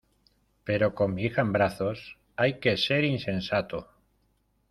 pero con mi hija en brazos. hay que ser insensato